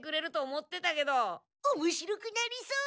おもしろくなりそう！